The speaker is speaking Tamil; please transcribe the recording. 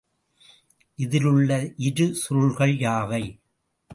இதிலுள்ள இரு சுருள்கள் யாவை?